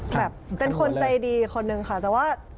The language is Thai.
แบบเป็นคนใจดีคนนึงค่ะแต่ว่า